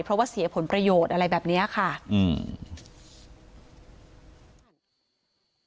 เพราะว่าเสียผลประโยชน์อะไรแบบเนี้ยค่ะอืม